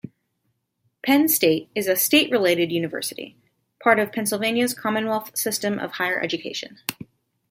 Penn State is a "state-related" university, part of Pennsylvania's Commonwealth System of Higher Education.